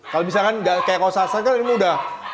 kalau misalkan enggak kayak koh sansan kan ini udah besar kan